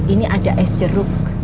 ini ada es jeruk